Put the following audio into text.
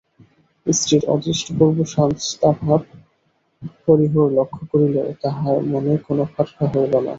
স্ত্রীর অদৃষ্টপূর্ব শাস্তাভাব হরিহর লক্ষ করিলেও তাহার মনে কোনো খটকা হইল না।